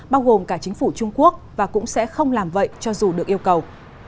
bao gồm cả chính phủ trung quốc và cũng sẽ không làm vậy cho dù được yêu cầu